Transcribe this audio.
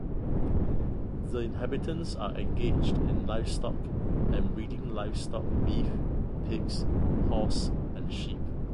The inhabitants are engaged in livestock and breeding livestock beef pigs horse and sheep.